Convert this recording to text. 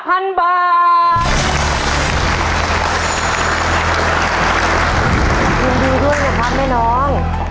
พูดเรียงดีด้วยนะครับแม่น้อง